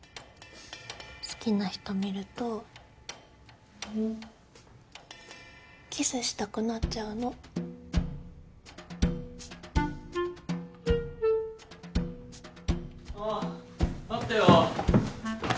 好きな人見るとキスしたくなっちゃうのあああったよ